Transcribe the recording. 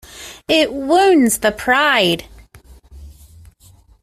It wounds the pride.